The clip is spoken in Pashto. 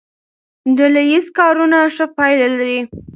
ډله ییز کارونه ښه پایله لري.